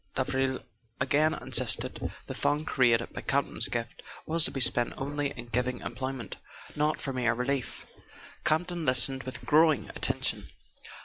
Davril again insisted, the fund created by Campton's gift was to be spent only in giving employment, not for mere relief. Campton listened with growing attention.